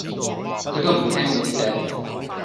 佢都唔聽你支笛